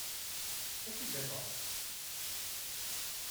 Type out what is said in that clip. Ad k-id-afeɣ.